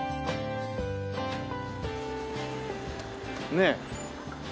ねえ。